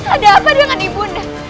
ada apa dengan ibunda